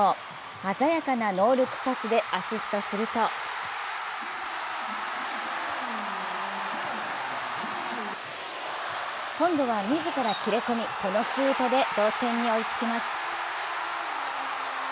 鮮やかなノールックパスでアシストすると今度は自ら切れ込みこのシュートで同点に追いつきます。